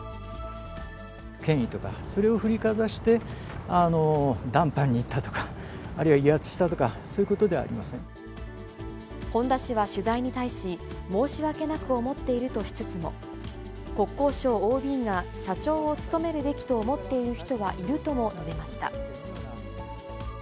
権威とか、それを振りかざして、談判に行ったとか、あるいは威圧したとか、そういうことでは本田氏は取材に対し、申し訳なく思っているとしつつも、国交省ＯＢが社長を務めるべきと思っている人はいるとも述べました。